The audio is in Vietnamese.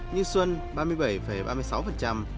như xuân ba mươi bảy ba mươi sáu và một mươi ba chín mươi sáu